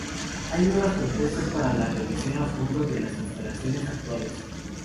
Hay nuevas propuestas para una revisión a fondo de las instalaciones actuales.